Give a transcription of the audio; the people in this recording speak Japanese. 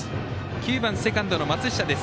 ９番セカンドの松下です。